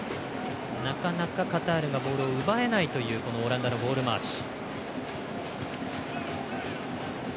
なかなかカタールがボールを奪えないというオランダのボール回し。